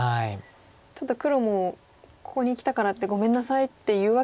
ちょっと黒もここにきたからって「ごめんなさい」って言うわけには。